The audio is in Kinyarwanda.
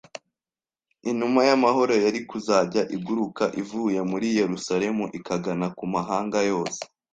Inuma y'amahoro yari kuzajya iguruka ivuye muri Yerusalemu ikagana ku mahanga yose.